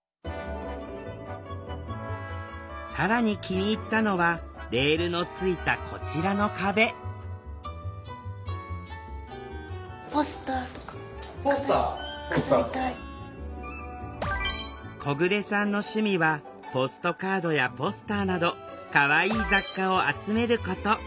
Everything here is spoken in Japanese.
更に気に入ったのはレールのついたこちらの壁小暮さんの趣味はポストカードやポスターなどかわいい雑貨を集めること。